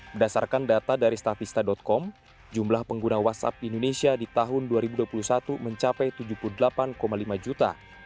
berdasarkan data dari statista com jumlah pengguna whatsapp di indonesia di tahun dua ribu dua puluh satu mencapai tujuh puluh delapan lima juta